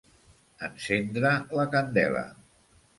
Encendre la candela.